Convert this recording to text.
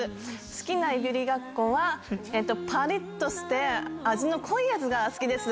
好きないぶりがっこは、ぱりっとして、味の濃いやつが好きです。